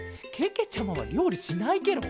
けけちゃまはりょうりしないケロ。